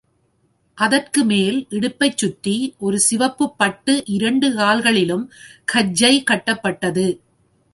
அதற்குமேல் இடுப்பைச் சுற்றி ஒரு சிவப்புப் பட்டு இரண்டு கால்களிலும் கஜ்ஜை கட்டப்பட்டது.